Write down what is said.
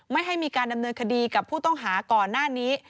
ไม่ให้มีการดำเนินคดีกับผู้ต้องหาก่อนหน้านี้